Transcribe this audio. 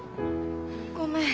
ごめん。